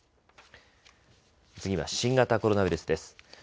次は新型コロナウイルスです。